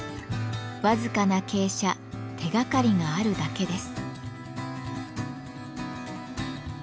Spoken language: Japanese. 僅かな傾斜「手がかり」があるだけです。